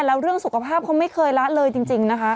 ก็สุขภาพเขาไม่เคยละเลยจริงนะคะ